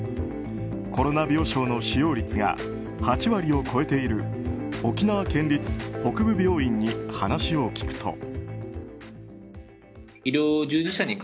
コロナ病床の使用率が８割を超えている沖縄県立北部病院に話を聞くと。